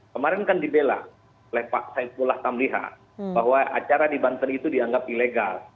kemarin kan dibela oleh pak saifullah tamliha bahwa acara di banten itu dianggap ilegal